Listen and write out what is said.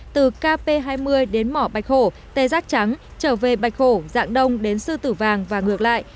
từ kp hai mươi đến mỏ bạch hổ tê giác trắng trở về bạch hổ dạng đông đến sư tử vàng và ngược lại